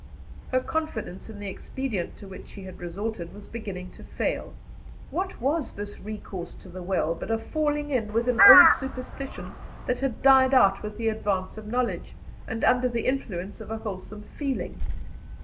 Her confidence in the expedient to which she had resorted was beginning to fail. What was this recourse to the well but a falling in with an old superstition that had died out with the advance of knowledge, and under the influence of a wholesome feeling?